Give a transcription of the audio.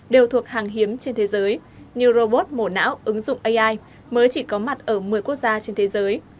đều thuộc hàng hiếm trên thế giới như robot mổ não ứng dụng ai mới chỉ có mặt ở một mươi quốc gia trên thế giới